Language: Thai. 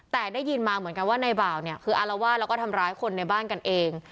แต่ได้ยินมาเหมือนกันว่าในบ่าวเนี่ยคืออารวาสแล้วก็ทำร้ายคนในบ้านกันเอง